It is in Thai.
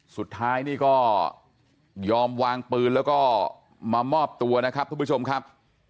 สุดท้ายนี่ก็ยอมวางปืนแล้วก็มามอบตัวนะครับทุกผู้ชมครับ